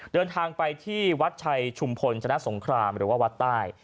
เดินทางไปที่วัดชัยชุมพลชนะสงครามหรือว่าวัดใต้